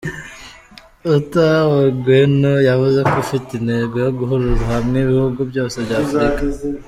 Outa Ogweno, yavuze ko ufite intego yo guhuriza hamwe ibihugu byose bya Afurika.